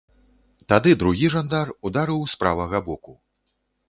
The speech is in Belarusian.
Тады другі жандар ударыў з правага боку.